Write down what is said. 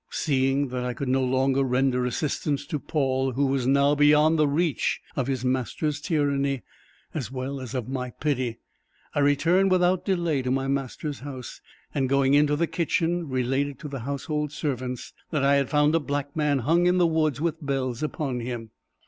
Seeing that I could no longer render assistance to Paul, who was now beyond the reach of his master's tyranny, as well as of my pity, I returned without delay to my master's house, and going into the kitchen, related to the household servants that I had found a black man hung in the woods with bells upon him.